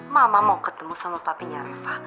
mama mau ketemu sama patinya reva